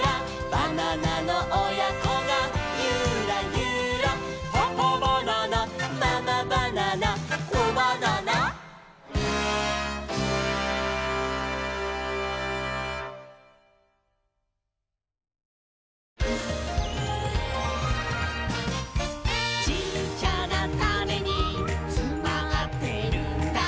「バナナのおやこがユラユラ」「パパバナナママバナナコバナナ」「ちっちゃなタネにつまってるんだ」